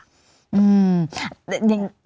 อืม